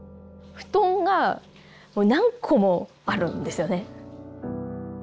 布団が何個もあるんですよね。